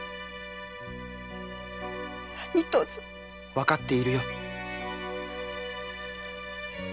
分かっているよ。